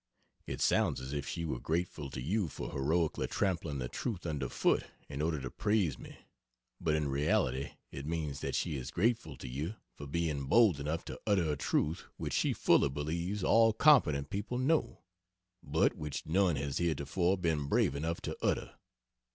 (It sounds as if she were grateful to you for heroically trampling the truth under foot in order to praise me but in reality it means that she is grateful to you for being bold enough to utter a truth which she fully believes all competent people know, but which none has heretofore been brave enough to utter.)